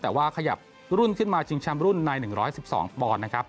แต่ว่าขยับรุ่นขึ้นมาชิงแชมป์รุ่นใน๑๑๒ปอนด์นะครับ